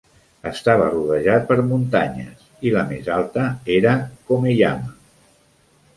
Estava rodejat per muntanyes i la més alta era Komeyama.